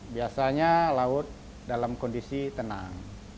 biasanya laut dalam kondisi tenang